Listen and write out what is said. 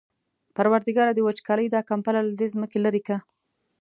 پروردګاره د وچکالۍ دا کمپله له دې ځمکې لېرې کړه.